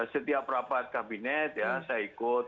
setiap rapat kabinet ya saya ikut